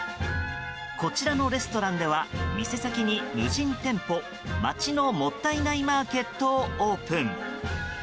こちらのレストランでは店先に無人店舗まちのもったいないマーケットをオープン。